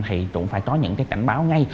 thì cũng phải có những cái cảnh báo ngay